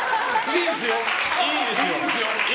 いいですよ。